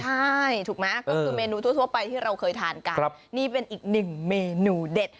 ใช่ถูกไหมก็คือเมนูทั่วไปที่เราเคยทานกันนี่เป็นอีกหนึ่งเมนูเด็ด